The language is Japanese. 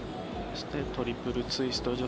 そしてトリプルツイスト。